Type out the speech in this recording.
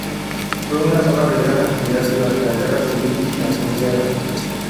Fue una zona de gran actividad durante la Guerra Civil y la posguerra.